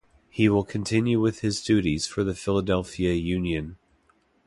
He will continue with his duties for the Philadelphia Union.